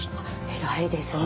偉いですね。